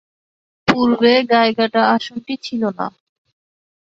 পূর্বে গাইঘাটা আসনটি ছিল না।